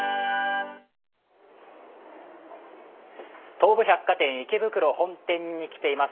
東武百貨店池袋本店に来ています。